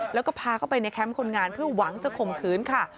แล้วก็พาเข้าไปในแคมป์คนงานเพื่อหวังจะข่มขืนค่ะ